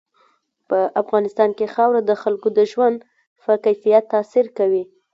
په افغانستان کې خاوره د خلکو د ژوند په کیفیت تاثیر کوي.